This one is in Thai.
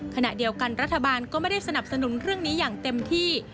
ขณะเดียวกันรัฐบาลก็ไม่ได้สนับสนุนเรื่องนี้อย่างเต็มที่